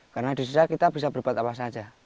karena di sisa kita bisa berbuat apa saja